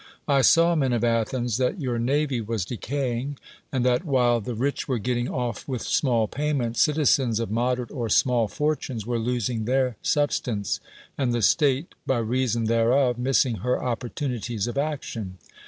I saw, men of Athens, that your navy was decaying, and that, while the rich were getting off with small payments, citi zens of moderate or small fortunes were losing thfir substance, and the state, by reason thereof, missing her opportunities of action.